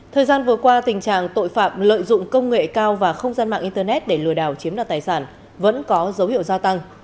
thời gian vừa qua tình trạng tội phạm lợi dụng công nghệ cao và không gian mạng internet để lừa đảo chiếm đoạt tài sản vẫn có dấu hiệu gia tăng